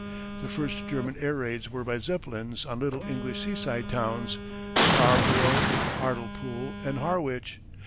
_] The first German air raids were by Zeppelins on little English seaside towns Scarborough, Hartlepool, and Harwich.